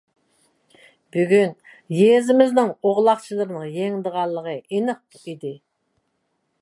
بۈگۈن يېزىمىزنىڭ ئوغلاقچىلىرىنىڭ يېڭىدىغانلىقى ئېنىق ئىدى.